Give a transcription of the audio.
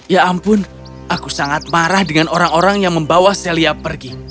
ya ampun aku sangat marah dengan orang orang yang menjengkelkan aku